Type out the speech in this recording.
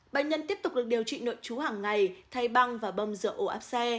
bệnh nhân tiếp tục được điều trị nội trú hàng ngày thay băng và bông dựa ổ áp xe